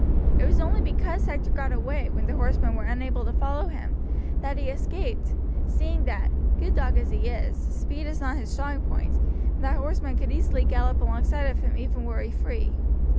It was only because Hector got away, when the horsemen were unable to follow him, that he escaped, seeing that, good dog as he is, speed is not his strong point, and that horsemen could easily gallop alongside of him even were he free.